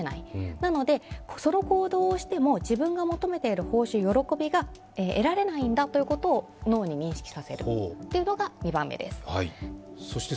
なので、その行動をしても自分が求めている報酬、喜びが得られないんだということを脳に認識されるというのが２番目。